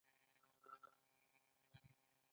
بیت المقدس کې مې کوټه ځانته وه.